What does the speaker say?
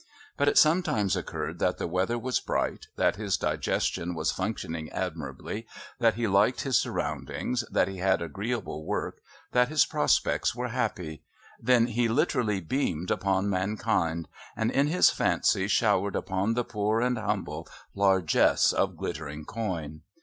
But it sometimes occurred that the weather was bright, that his digestion was functioning admirably, that he liked his surroundings, that he had agreeable work, that his prospects were happy then he literally beamed upon mankind and in his fancy showered upon the poor and humble largesse of glittering coin.